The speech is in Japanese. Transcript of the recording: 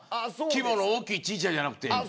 規模の大きい小さいじゃなくて。